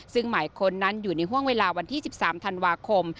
ซึ่งหมายค้นนั้นอยู่ในห่วงเวลาวันที่๑๓ธันวาคม